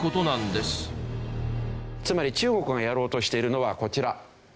つまり中国がやろうとしているのはこちら。